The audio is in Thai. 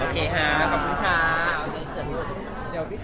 ครับ